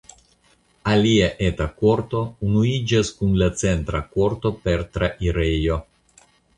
Alia eta korto unuiĝas kun la centra korto per trairejo.